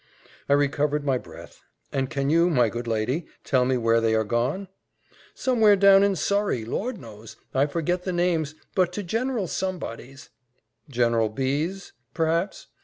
I recovered my breath. "And can you, my good lady, tell me where they are gone?" "Somewhere down in Surrey Lord knows I forget the names but to General somebody's." "General B 's, perhaps."